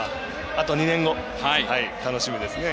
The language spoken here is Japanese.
あと２年後、楽しみですね。